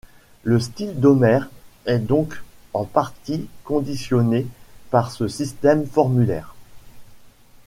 Le style d'Homère est donc en partie conditionné par ce système formulaire.